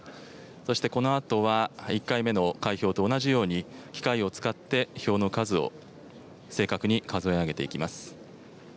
そしてこのあとは、１回目の開票と同じように、機械を使って票の数を正確に数え上げていきます。